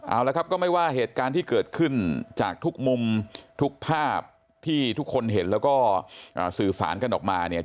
เอาละครับก็ไม่ว่าเหตุการณ์ที่เกิดขึ้นจากทุกมุมทุกภาพที่ทุกคนเห็นแล้วก็สื่อสารกันออกมาเนี่ย